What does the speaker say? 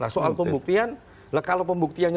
soal pembuktian kalau pembuktiannya